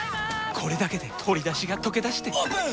これだけで鶏だしがとけだしてオープン！